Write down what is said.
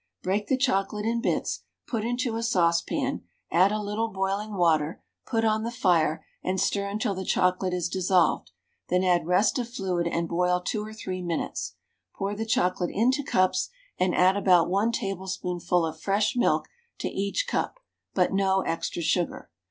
Break the chocolate in bits, put into a saucepan, add a little boiling water, put on the fire, and stir until the chocolate is dissolved, then add rest of fluid and boil 2 or 3 minutes. Pour the chocolate into cups, and add about 1 tablespoonful of fresh milk to each cup, but no extra sugar.